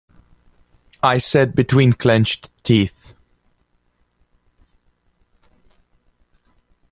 I said, between clenched teeth.